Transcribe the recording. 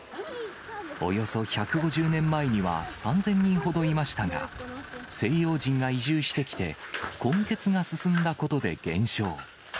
およそ１５０年前には３０００人ほどいましたが、西洋人が移住してきて、混血が進んだことで減少。